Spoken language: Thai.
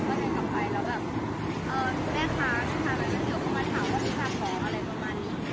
ตอนนี้ผมอยู่ต่างจังหวัดตอนนี้กำหนังไปคุยของผู้สาวว่าโทรมาว่ามีคนละตบ